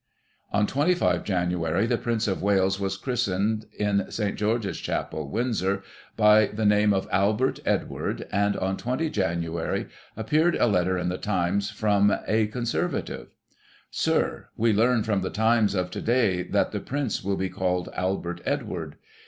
On 25 Jan., the Prince of Wales was christened in St. George's Chapel, Windsor, by the name of Albert Edward, and on 20 Jan. appeared a letter in the Times from " A Con servative ":" Sir. — We learn from the Times of to day, that the Prince will be called Albert Edward.